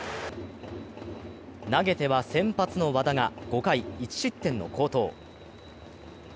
投げては先発の和田が５回、１失点の好投。